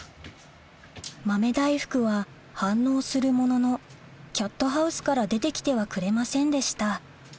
豆大福は反応するもののキャットハウスから出て来てはくれませんでした